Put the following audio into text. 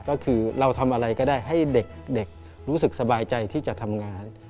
ก็คือเราทำอะไรก็ได้ให้เด็กรู้สึกสบายใจที่จะทำงาน